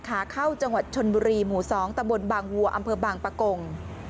ขาเข้าจังหวัดชนบุรีหมู่๒ตะบนบางวัวอำเภอบางปะกง